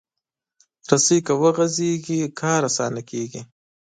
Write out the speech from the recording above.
رسۍ که وغځېږي، کار اسانه کېږي.